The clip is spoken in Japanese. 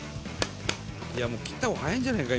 もう切った方が早いんじゃないか？